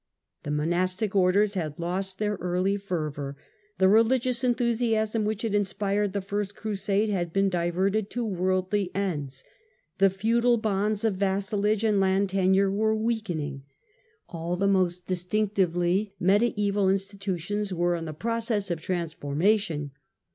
The monastic Orders had lost their early fervour, the religious enthusiasm which had inspired the First Crusade had been diverted to worldly ends, the feudal bonds of vassalage and land tenure were weakening ; all the most distinctively mediaeval institutions were in process of transformation.